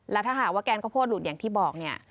และถ้าหากว่าแกนข้าวโพดหลุดอย่างที่บอก